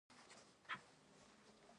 نیکه د وخت ارزښت بیانوي.